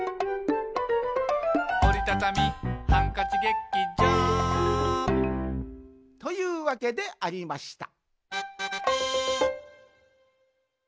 「おりたたみハンカチ劇場」というわけでありました